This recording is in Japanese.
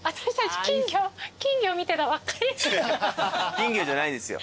金魚じゃないですよ。